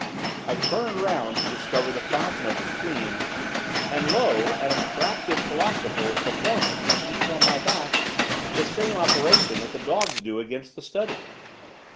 I turned round to discover the fountain of the stream, and, lo! an abstracted philosopher was performing, at ease on my back, the same operation that the dogs do against the study.